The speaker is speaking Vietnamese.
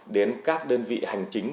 đến các đơn vị hành chính